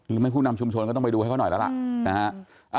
หมายคุณนำชุมชนก็ต้องไปดูให้เขาหน่อยละละ